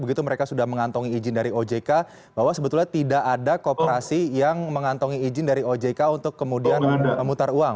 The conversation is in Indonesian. begitu mereka sudah mengantongi izin dari ojk bahwa sebetulnya tidak ada kooperasi yang mengantongi izin dari ojk untuk kemudian memutar uang